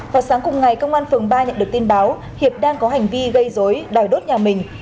vào sáng cùng ngày công an phường ba nhận được tin báo hiệp đang có hành vi gây dối đòi đốt nhà mình